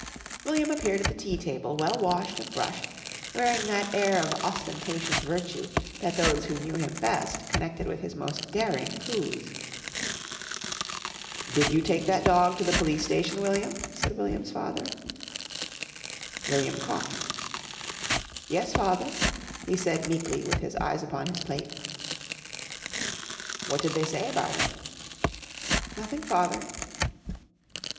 William appeared at the tea table well washed and brushed, wearing that air of ostentatious virtue that those who knew him best connected with his most daring coups. "Did you take that dog to the Police Station, William?" said William's father. William coughed. [Illustration: JUMBLE TROTTED ALONG UNCONSCIOUS OF HIS DOOM.] "Yes, father," he said meekly with his eyes upon his plate. "What did they say about it?" "Nothing, father."